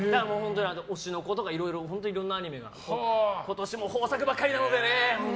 「推しの子」とかいろんなアニメがあって今年も豊作ばかりなのでね。